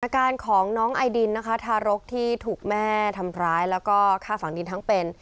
อาการของน้องไอดินนะคะทารกที่ถูกแม่ทำร้ายแล้วก็ฆ่าฝังดินทั้งเป็น